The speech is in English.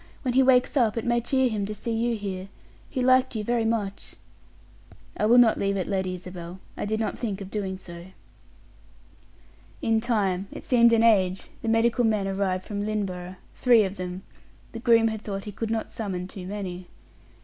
When he wakes up, it may cheer him to see you here; he liked you very much." "I will not leave it, Lady Isabel. I did not think of doing so." In time it seemed an age the medical men arrived from Lynneborough three of them the groom had thought he could not summon too many.